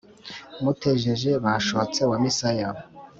mutejeje bashotse wa misaya,